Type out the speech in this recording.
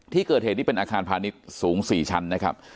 ที่เกิดเหตุนี่เป็นอาคารพาณิชย์สูง๔ชั้นนะครับ